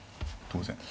当然。